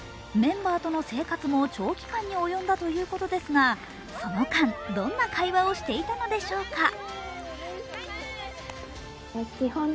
メンバーとの生活も長期間に及んだということですがその間、どんな会話をしていたのでしょうか。